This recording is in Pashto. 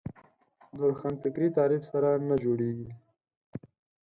د روښانفکري تعریف سره نه جوړېږي